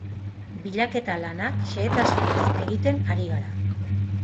Bilaketa lanak xehetasunez egiten ari gara.